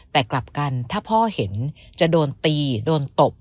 แต่กลับกันถ้าพ่อเห็นจะโดนตีโดนตบ